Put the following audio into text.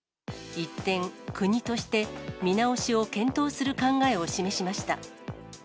一転、国として、見直しを検討する考えを示しました。